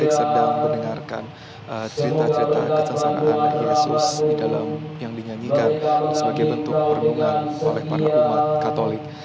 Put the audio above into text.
yang sedang mendengarkan cerita cerita kesengsaraan yesus di dalam yang dinyanyikan sebagai bentuk perlindungan oleh para umat katolik